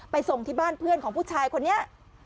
ส่งที่บ้านเพื่อนของผู้ชายคนนี้